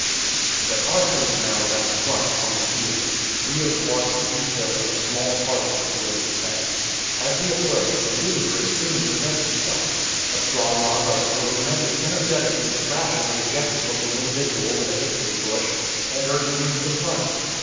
But our place now is at the front, on the field. We are to watch the details of a small part of the great expanse. As we approach, a ludicrous scene presents itself. A strong armed artilleryman is energetically thrashing a dejected looking individual with a hickory bush, and urging him to the front.